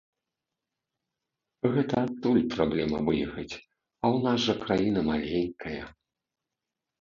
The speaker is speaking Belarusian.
Гэта адтуль праблема выехаць, а ў нас жа краіна маленькая.